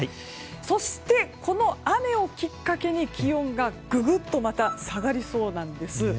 そして、この雨をきっかけに気温がぐぐんと下がりそうなんです。